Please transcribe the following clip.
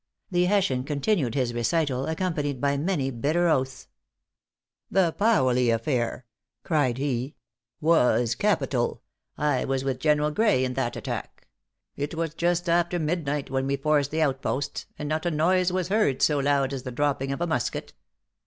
The Hessian continued his recital, accompanied by many bitter oaths. "That Paoli affair," cried he, "was capital! I was with General Grey in that attack. It was just after midnight when we forced the outposts, and not a noise was heard so loud as the dropping of a musket.